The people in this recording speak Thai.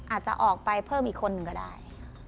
อาจจะออกไปเพิ่มอีกคนหนึ่งก็ได้